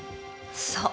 そう。